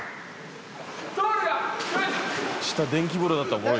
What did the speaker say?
下電気風呂だったら怖い。